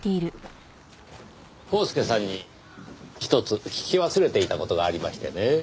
コースケさんにひとつ聞き忘れていた事がありましてね。